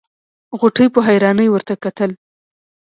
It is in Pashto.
غوټۍ په حيرانۍ ورته کتل.